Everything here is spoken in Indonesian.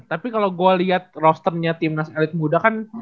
tapi kalau gue liat rosternya timnas elit muda kan